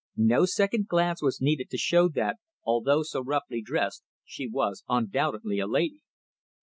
No second glance was needed to show that, although so roughly dressed, she was undoubtedly a lady.